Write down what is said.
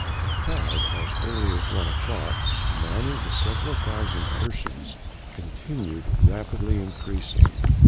The crowd, as early as one o'clock amounting to several thousand persons, continued rapidly increasing.